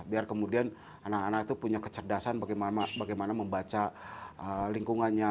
biar kemudian anak anak itu punya kecerdasan bagaimana membaca lingkungannya